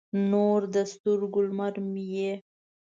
نور د سترګو، لمر مې یې